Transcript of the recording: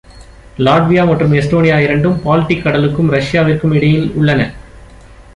Latvia மற்றும் Estonia இரண்டும் Baltic கடலுக்கும் ரஷ்யாவிற்கும் இடையில் உள்ளன.